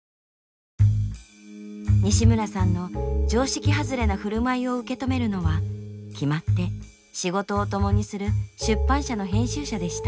西村さんの常識外れな振る舞いを受け止めるのは決まって仕事を共にする出版社の編集者でした。